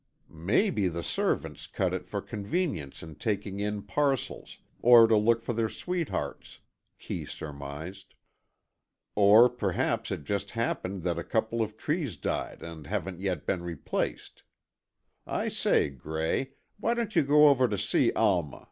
"Maybe the servants cut it for convenience in taking in parcels, or to look for their sweethearts," Kee surmised. "Oh perhaps it just happened that a couple of trees died and haven't yet been replaced. I say, Gray, why don't you go over to see Alma?"